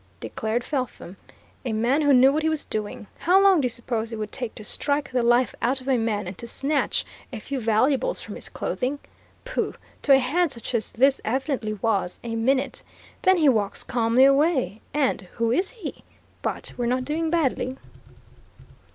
declared Felpham. "A man who knew what he was doing. How long do you suppose it would take to strike the life out of a man and to snatch a few valuables from his clothing? Pooh! to a hand such as this evidently was, a minute. Then, he walks calmly away. And who is he? But we're not doing badly."